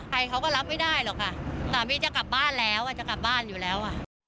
ใครเขาก็รับไม่ได้หรอกค่ะสามีจะกลับบ้านแล้วจะกลับบ้านอยู่แล้วอ่ะ